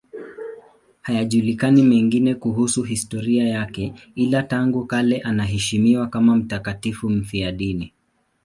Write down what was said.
Hayajulikani mengine kuhusu historia yake, ila tangu kale anaheshimiwa kama mtakatifu mfiadini.